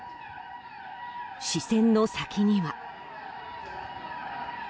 視線の先には。